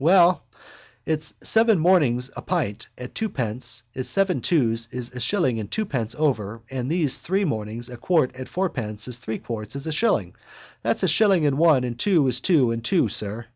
Well, it's seven mornings a pint at twopence is seven twos is a shilling and twopence over and these three mornings a quart at fourpence is three quarts is a shilling. That's a shilling and one and two is two and two, sir.